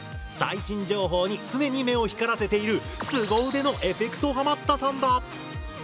最新情報に常に目を光らせているスゴ腕のエフェクトハマったさんだ！